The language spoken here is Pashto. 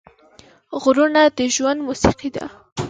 غږونه د ژوند موسیقي ده